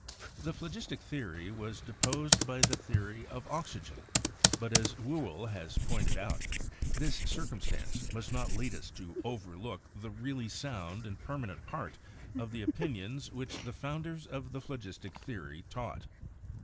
The Phlogistic Theory was deposed by the Theory of Oxygen, but, as Whewell has pointed out, "this circum stance must not lead us to overlook the really sound and peimanent part of the opinions which the founders of the phlogistic theory taught."